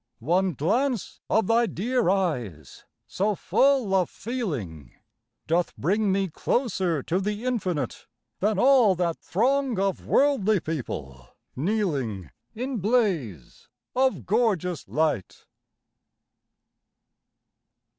One glance of thy dear eyes so full of feeling, Doth bring me closer to the Infinite Than all that throng of worldly people kneeling In blaze of gorgeous light.